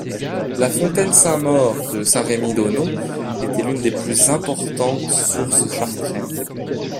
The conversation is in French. La fontaine Saint-Maur de Saint-Remy d'Auneau était l'une des plus importantes sources chartraines.